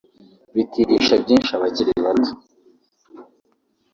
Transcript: bikigisha byinshi abakiri bato